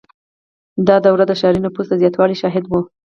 • دا دوره د ښاري نفوس د زیاتوالي شاهده وه.